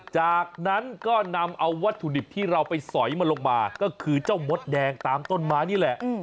จากนั้นก็นำเอาวัตถุดิบที่เราไปสอยมาลงมาก็คือเจ้ามดแดงตามต้นไม้นี่แหละ